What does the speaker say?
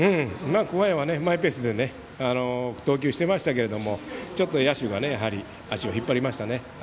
桑江はマイペースで投球していましたけど野手がちょっと足を引っ張りましたね。